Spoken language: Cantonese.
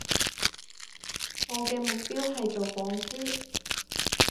我嘅目標係做港豬